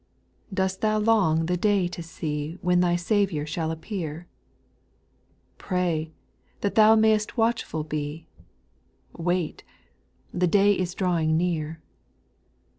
5. Dost thou long the day to see, When thy Saviour shall appear ? Pray, that thou may'st watchful be ; Wait, the day is drawinj^ near.